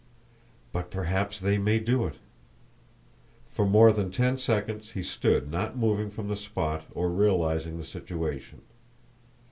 "But perhaps they may do it!" For more than ten seconds he stood not moving from the spot or realizing the situation.